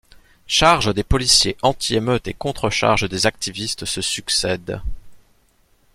Charges des policiers anti-émeutes et contre-charges des activistes se succèdent.